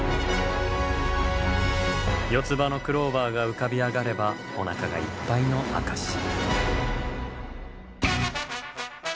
４つ葉のクローバーが浮かび上がればおなかがいっぱいの証し。